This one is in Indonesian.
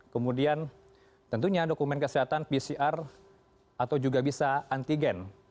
kemudian tentunya dokumen kesehatan pcr atau juga bisa antigen